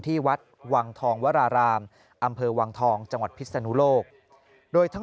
ที่วัดวังทองวรารามอำเภอวังทองจังหวัดพิศนุโลกโดยทั้ง